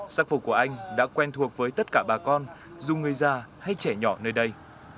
sắc phục của anh đã quen thuộc với tất cả bà con dù người già hay trẻ nhỏ nơi đây